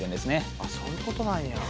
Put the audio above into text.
あそういうことなんや。